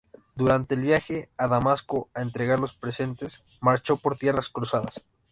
Durante el viaje a Damasco a entregar los presentes, marchó por tierras cruzadas.